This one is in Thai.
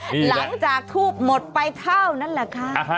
หลังจากทูบหมดไปเท่านั้นแหละค่ะ